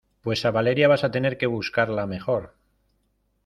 pues a Valeria vas a tener que buscarla mejor